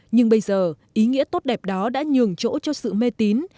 nhưng bây giờ ý nghĩa tốt đẹp đó đã nhường chỗ cho sự mê tín